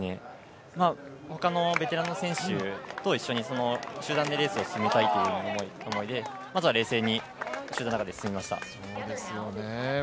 他のベテランの選手と一緒に集団でレースを進めたいという思いでまずは冷静に進みました。